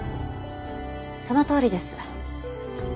そのとおりです。